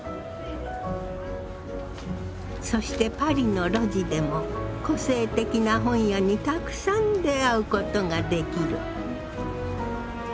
そしてパリの路地でも個性的な本屋にたくさん出会うことができる。